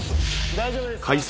大丈夫ですか？